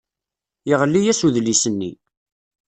Yeɣli-as udlis-nni.